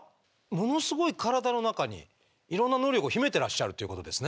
ものすごい体の中にいろんな能力を秘めてらっしゃるっていうことですね？